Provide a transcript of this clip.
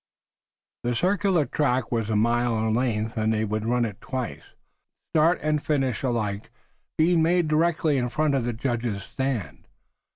The circular track was a mile in length, and they would round it twice, start and finish alike being made directly in front of the judges' stand.